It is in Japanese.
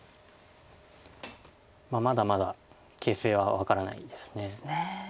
まだまだ形勢は分からないですよね。